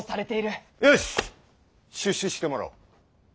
よし出仕してもらおう。